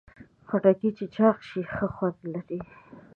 خټکی چې چاق شي، ښه خوند لري.